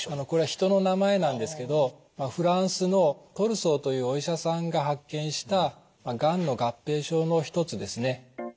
これは人の名前なんですけどフランスのトルソーというお医者さんが発見したがんの合併症のひとつですね。